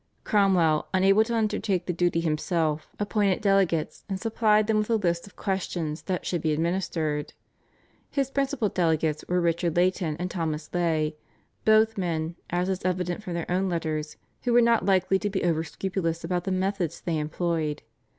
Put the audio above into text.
Cromwell, unable to undertake the duty himself, appointed delegates, and supplied them with the list of questions that should be administered. His principal delegates were Richard Leyton and Thomas Leigh, both men, as is evident from their own letters, who were not likely to be over scrupulous about the methods they employed.